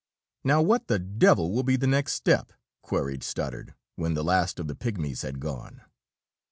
"Now what the devil will be the next step?" queried Stoddard, when the last of the pigmies had gone.